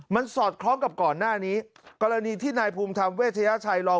มันสอดคล้องกับก่อนหน้านี้กรณีที่นายภูมิธรรมเวชยชัยรอง